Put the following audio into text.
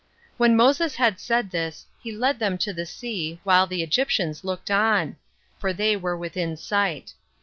1. When Moses had said this, he led them to the sea, while the Egyptians looked on; for they were within sight.